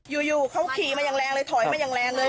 อยู่เขาขี่มาอย่างแรงเลยถอยมาอย่างแรงเลย